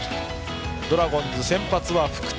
ドラゴンズの先発は福谷。